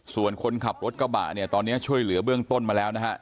ส่วนคนขับรถกระบะเนี่ยตอนนี้ช่วยเหลือเบื้องต้นมาแล้วนะฮะ